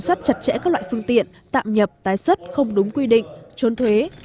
xuất chặt chẽ các loại phương tiện tạm nhập tái xuất không đúng quy định trốn thuế